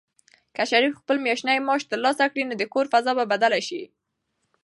که شریف خپل میاشتنی معاش ترلاسه کړي، نو د کور فضا به بدله شي.